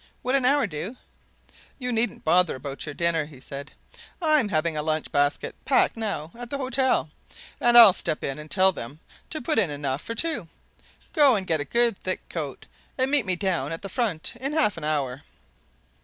"Would an hour do?" "You needn't bother about your dinner," he said. "I'm having a lunch basket packed now at the hotel, and I'll step in and tell them to put in enough for two. Go and get a good thick coat, and meet me down at the front in half an hour."